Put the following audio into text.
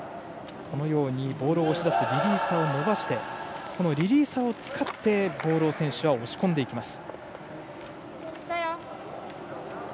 ボールを押し出すリリーサーを伸ばしてリリーサーを使ってボールを選手たちは押し込んでいきます。